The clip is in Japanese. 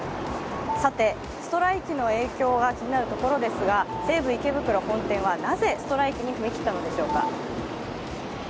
さて、ストライキの影響が気になるところですが、西武池袋本店はなぜ、ストライキに踏み切ったのでしょうか。